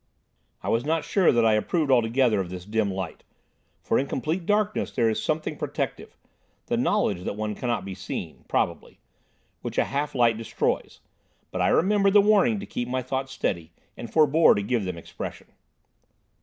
I was not sure that I approved altogether of this dim light, for in complete darkness there is something protective—the knowledge that one cannot be seen, probably—which a half light destroys, but I remembered the warning to keep my thoughts steady, and forbore to give them expression.